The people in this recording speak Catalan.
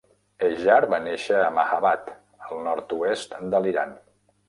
Hejar va néixer a Mahabad, al nord-oest de l'Iran.